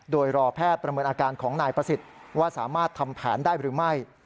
โดยรอแพทย์ประเมินอาการของนายประสิทธิ์ว่าสามารถทำแผนได้หรือไม่